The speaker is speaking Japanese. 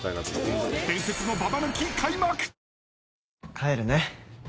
帰るね。